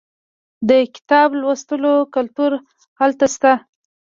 د کتاب لوستلو کلتور هلته شته.